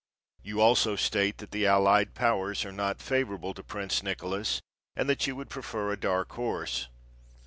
You also state that the Allied Powers are not favorable to Prince Nicholas and that you would prefer a dark horse.